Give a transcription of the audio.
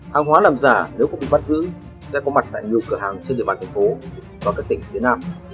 hàng hóa làm giả nếu có bị bắt giữ sẽ có mặt tại nhiều cửa hàng trên địa bàn tp hcm và các tỉnh việt nam